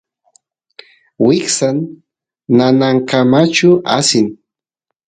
wiksa nanankamachu asin